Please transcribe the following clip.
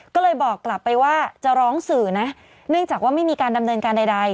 ก็เลยบอกกลับไปว่าจะร้องสื่อนะเนื่องจากว่าไม่มีการดำเนินการใด